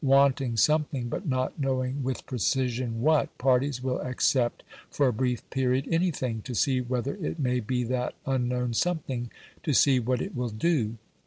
Wanting something, but not knowing with precision what, parties will accept for a brief period anything, to see whether it may be that unknown something to see what it will do.